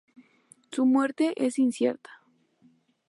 Su muerte es incierta.